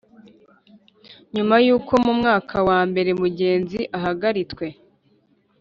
nyuma y’uko mu mwaka wa mbere mugenzi ahagaritwe